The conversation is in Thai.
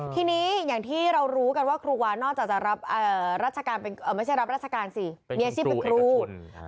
ทีนี้อย่างที่เรารู้กันว่าครูวานอกจากจะรับราชการเป็นไม่ใช่รับราชการสิมีอาชีพเป็นครู